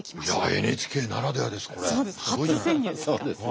いやＮＨＫならではですねこれ。